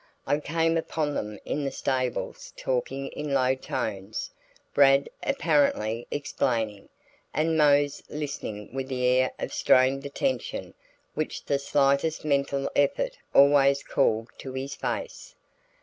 I came upon them in the stables talking in low tones, Rad apparently explaining, and Mose listening with the air of strained attention which the slightest mental effort always called to his face.